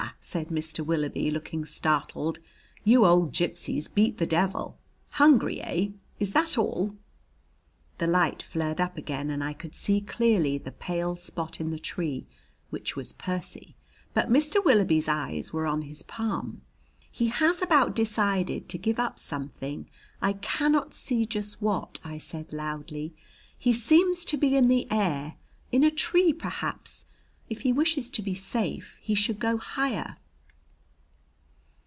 said Mr. Willoughby, looking startled. "You old gypsies beat the devil! Hungry, eh? Is that all?" The light flared up again and I could see clearly the pale spot in the tree, which was Percy. But Mr. Willoughby's eyes were on his palm. "He has about decided to give up something I cannot see just what," I said loudly. "He seems to be in the air, in a tree, perhaps. If he wishes to be safe he should go higher."